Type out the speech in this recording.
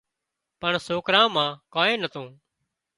پڻ سوڪرا مان ڪانين نتون